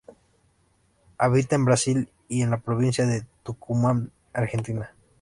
Habita en Brasil, y en la Provincia de Tucumán, Argentina.